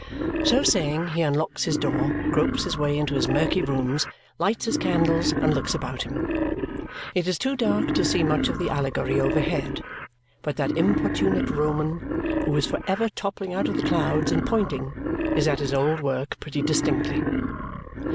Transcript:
So saying, he unlocks his door, gropes his way into his murky rooms, lights his candles, and looks about him. It is too dark to see much of the Allegory overhead there, but that importunate Roman, who is for ever toppling out of the clouds and pointing, is at his old work pretty distinctly.